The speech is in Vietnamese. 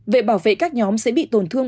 vệ bảo vệ các nhóm sẽ bị tổn thương